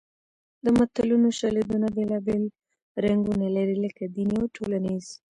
د متلونو شالیدونه بېلابېل رنګونه لري لکه دیني او ټولنیز